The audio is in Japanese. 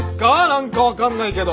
何か分かんないけど。